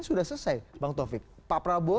sudah selesai bang taufik pak prabowo